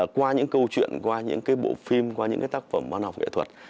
qua những câu chuyện qua những bộ phim qua những tác phẩm ban học nghệ thuật